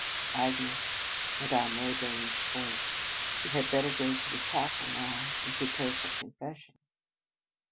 "Agnes," said Madame Rayburn s voice, "you had better go to the chapel now, and prepare for confes sion."